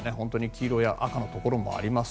黄色や赤のところもあります